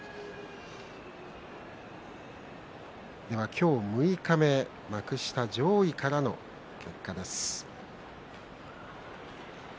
今日六日目幕下上位からの結果です。